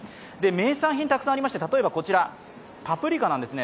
名産品たくさんありまして、例えばこちら、パプリカなんですね